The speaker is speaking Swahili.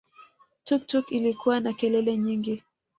Tuktuk ilikuwa na kelele nyingi